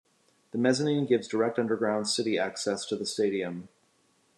The mezzanine gives direct underground city access to the Stadium.